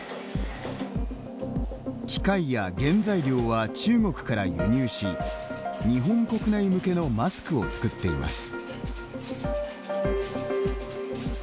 機械や原材料は中国から輸入し日本国内向けのマスクを作っています。